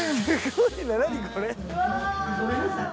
ごめんなさい。